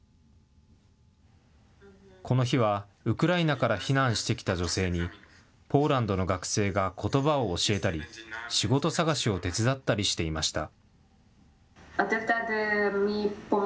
この日は、ウクライナから避難してきた女性に、ポーランドの学生がことばを教えたり、仕事探しを手伝ったりしていました。